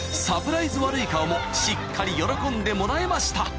［サプライズ悪い顔もしっかり喜んでもらえました］